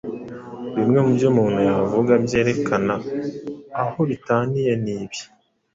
Bimwe mu byo umuntu yavuga byerekana aho bitaniye ni ibi